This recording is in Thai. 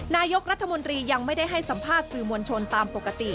นายกรัฐมนตรียังไม่ได้ให้สัมภาษณ์สื่อมวลชนตามปกติ